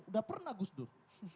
sudah pernah gus dur